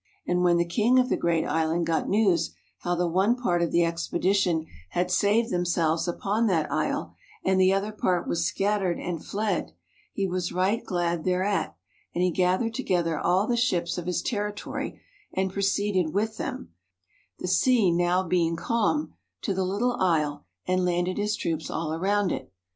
And when the king of the great island got news how the one part of the expe dition had saved themselves upon that isle, and the other part was scattered and fled, he was right glad thereat; and he gathered together all the ships of his territory and pro ceeded with them, the sea now being calm, to the little isle, and landed his troops all round it.